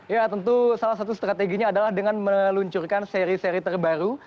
ya tentu salah satu strateginya adalah dengan meluncurkan seri seri terbaru